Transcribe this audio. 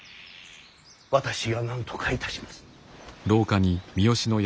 私がなんとかいたします。